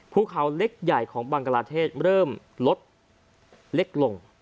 ภูเขาเล็กใหญ่ของบังกลาเทศเริ่มลดเล็กลง